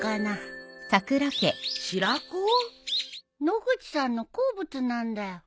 野口さんの好物なんだよ。